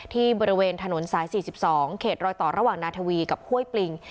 ที่บริเวณถนนสาย๔๒เขตรอยต่อระหว่างนาทวีกับห้วยปลิง